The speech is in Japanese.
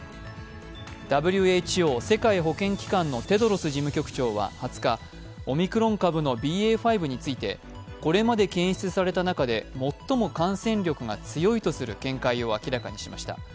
ＷＨＯ＝世界保健機関のテドロス事務局長は２０日、オミクロン株のＢＡ．５についてこれまで検出された中で最も感染力が強いとする見解を明らかにしました。